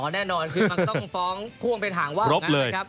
อ๋อแน่นอนคือมันก็ต้องฟ้องผู้องค์เป็นห่างว่าของนั้นนะครับ